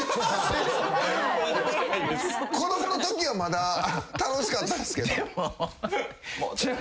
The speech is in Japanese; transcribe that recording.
子供のときはまだ楽しかったですけど。